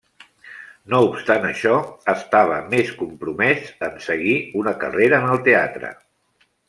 No obstant això, estava més compromès en seguir una carrera en el teatre.